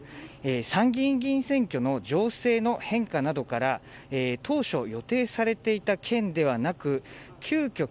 参議院議員選挙の情勢の変化などから当初、予定されていた県ではなく急きょ